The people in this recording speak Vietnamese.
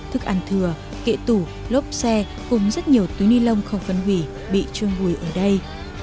thức ăn thừa kệ tủ lốp xe cùng rất nhiều túi ni lông không phân hủy bị chuông bùi ở đây